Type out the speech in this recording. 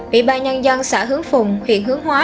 ủy ban nhân dân xã hướng phùng huyện hướng hóa